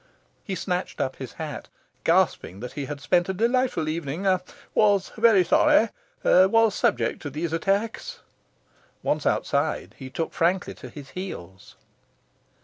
He snatched up his hat, gasping that he had spent a delightful evening was very sorry was subject to these attacks. Once outside, he took frankly to his heels.